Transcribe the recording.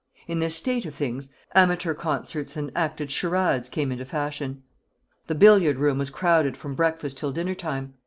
In this state of things, amateur concerts and acted charades came into fashion. The billiard room was crowded from breakfast till dinner time.